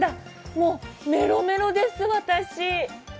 もうメロメロです、私。